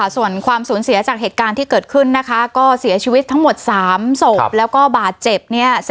ส่วนความสูญเสียจากเหตุการณ์ที่เกิดขึ้นนะคะก็เสียชีวิตทั้งหมด๓ศพแล้วก็บาดเจ็บเนี่ย